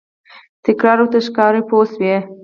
تکرار ورته ښکاري پوه شوې!.